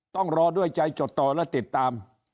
ต้องรอด้วยใจจดต่อและติดตาม